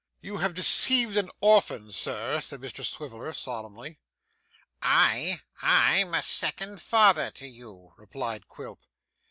'You have deceived an orphan, Sir,' said Mr Swiveller solemnly.' 'I! I'm a second father to you,' replied Quilp.